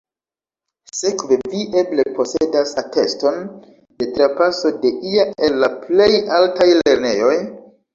Sekve vi eble posedas ateston de trapaso de ia el la plej altaj lernejoj?